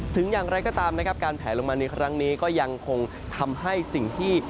อย่างไรก็ตามนะครับการแผลลงมาในครั้งนี้ก็ยังคงทำให้สิ่งที่